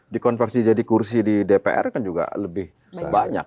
dikonversi jadi kursi di dpr kan juga lebih banyak